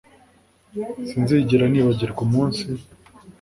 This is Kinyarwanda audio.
sinzigera nibagirwa umunsi